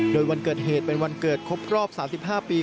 โดยวันเกิดเหตุเป็นวันเกิดครบรอบ๓๕ปี